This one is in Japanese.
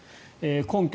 根拠